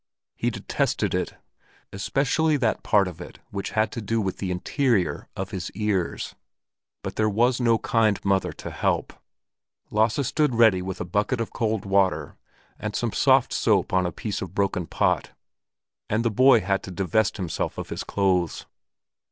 He detested it, especially that part of it which had to do with the interior of his ears. But there was no kind mother to help; Lasse stood ready with a bucket of cold water, and some soft soap on a piece of broken pot, and the boy had to divest himself of his clothes.